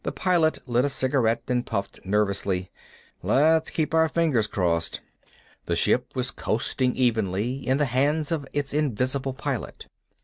The Pilot lit a cigarette and puffed nervously. "Let's keep our fingers crossed." The ship was coasting evenly, in the hands of its invisible pilot.